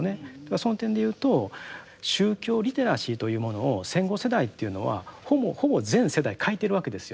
その点で言うと宗教リテラシーというものを戦後世代というのはほぼほぼ全世代欠いてるわけですよ。